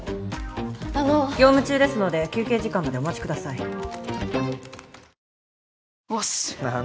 あの業務中ですので休憩時間までお待ちください